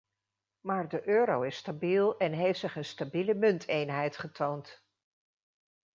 Maar de euro is stabiel en heeft zich een stabiele munteenheid getoond.